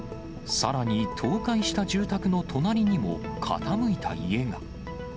さらに、倒壊した住宅の隣にも、傾いた家が。